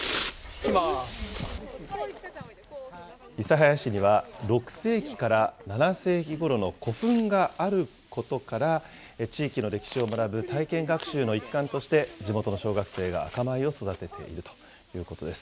諫早市には、６世紀から７世紀ごろの古墳があることから、地域の歴史を学ぶ体験学習の一環として、地元の小学生が赤米を育てているということです。